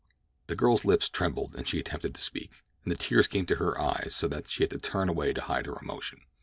The girl's lips trembled as she attempted to speak, and tears came to her eyes so that she had to turn away to hide her emotion.